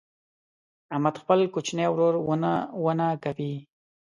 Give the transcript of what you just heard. احمد خپل کوچنی ورور ونه ونه کوي.